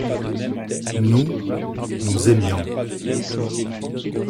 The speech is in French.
Nous, nous aimions.